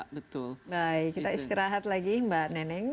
kita istirahat lagi mbak neneng